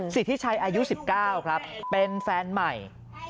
สิทธิชัยอายุ๑๙ครับเป็นแฟนใหม่